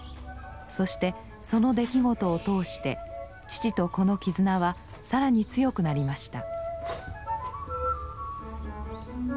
そしてその出来事を通して父と子の絆は更に強くなりました。